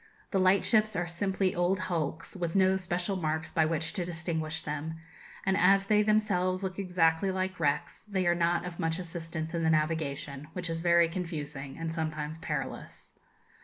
The lightships are simply old hulks, with no special marks by which to distinguish them; and as they themselves look exactly like wrecks, they are not of much assistance in the navigation, which is very confusing, and sometimes perilous.